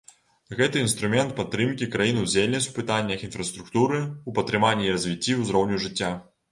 Гэта інструмент падтрымкі краін-удзельніц у пытаннях інфраструктуры, у падтрыманні і развіцці ўзроўню жыцця.